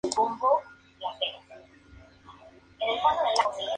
Un herrero "de corte" que forja espadas.